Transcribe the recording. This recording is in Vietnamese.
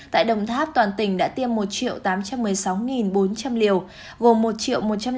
tại đồng tháp toàn tỉnh đã tiêm một tám trăm một mươi sáu bốn trăm linh liều gồm một một trăm linh ba bảy trăm linh một mũi một